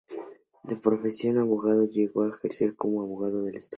De profesión abogado, llegó a ejercer como abogado del Estado.